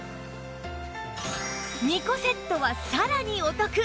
２個セットはさらにお得！